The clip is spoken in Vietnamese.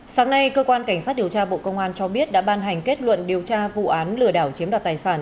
sáng nay cơ quan cảnh sát điều tra bộ công an cho biết đã ban hành kết luận điều tra vụ án lừa đảo chiếm đoạt tài sản